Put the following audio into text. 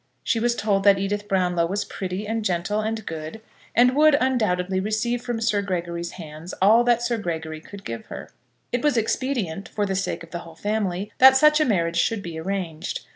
She was told that Edith Brownlow was pretty, and gentle, and good, and would undoubtedly receive from Sir Gregory's hands all that Sir Gregory could give her. It was expedient, for the sake of the whole family, that such a marriage should be arranged.